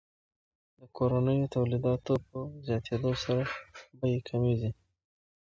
د کورنیو تولیداتو په زیاتیدو سره بیې کمیږي.